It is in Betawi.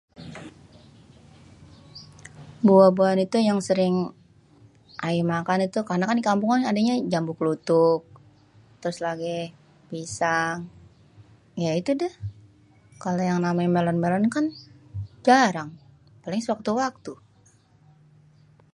buah-buahan itu yang sering ayé makan itu karena kan kampungkan adanyé jambu klutuk, terus lagi pisang, ya itu dêh, kalo yang namanyé melon lebaran kan, jarang, paling sewaktu waktu.